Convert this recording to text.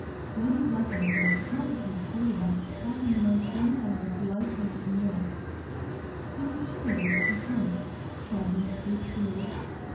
Lady Blessington, a competent authority, thought him the most genuinely polite man in Europe ; "he was chivalry incarnate," said Miss Kate Field.